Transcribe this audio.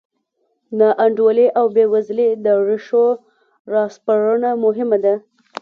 ناانډولۍ او بېوزلۍ د ریښو راسپړنه مهمه ده.